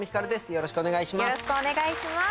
よろしくお願いします。